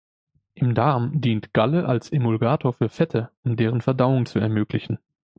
Im Darm dient Galle als Emulgator für Fette, um deren Verdauung zu ermöglichen.